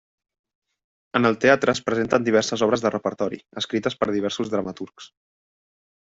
En el teatre es presenten diverses obres de repertori, escrites per diversos dramaturgs.